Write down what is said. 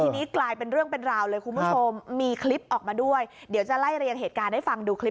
มันหลอกลวงลูกค้าใช่ไหมร้านนี้